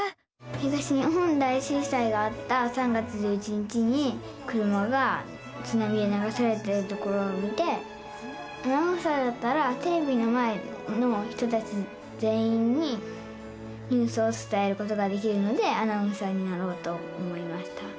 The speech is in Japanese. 東日本大震災があった３月１１日に車がつなみでながされてるところを見てアナウンサーだったらテレビの前の人たち全員にニュースをつたえることができるのでアナウンサーになろうと思いました。